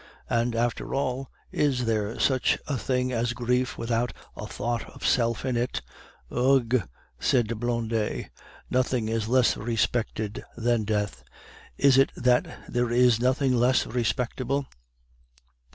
And, after all, is there such a thing as grief without a thought of self in it?" "Ugh!" said Blondet. "Nothing is less respected than death; is it that there is nothing less respectable?"